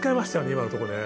今のとこで。